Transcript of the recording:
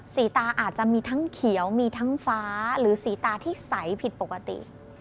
สีตาอาจจะมีทั้งเขียวมีทั้งฟ้าหรือสีตาที่ใสผิดปกติ